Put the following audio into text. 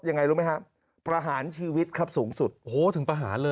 ยังไงรู้ไหมครับประหารชีวิตครับสูงสุดโอ้โหถึงประหารเลย